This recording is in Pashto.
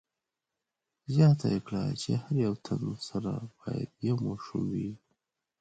زیاته یې کړه چې هر یو تن سره باید یو ماشوم وي.